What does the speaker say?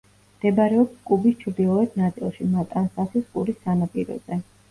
მდებარეობს კუბის ჩრდილოეთ ნაწილში, მატანსასის ყურის სანაპიროზე.